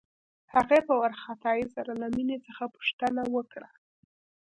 هغې په وارخطايۍ سره له مينې څخه پوښتنه وکړه.